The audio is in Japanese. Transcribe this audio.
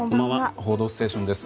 「報道ステーション」です。